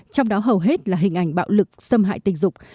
trong đó hầu hết là hình ảnh bạo lực xâm hại tình dục